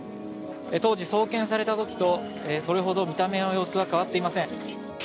当時、送検されたときと、それほど見た目の様子は変わっていません。